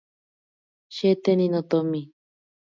Sheteni notomi.